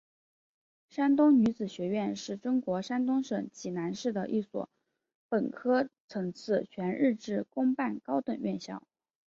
山东女子学院是中国山东省济南市的一所本科层次全日制公办高等院校。